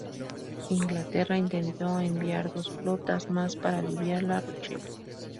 Inglaterra intentó enviar dos flotas más para aliviar La Rochelle.